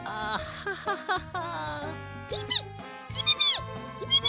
ハハハハ。